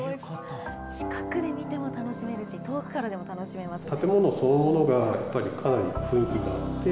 近くで見ても楽しめるし遠くから見ても楽しめますね。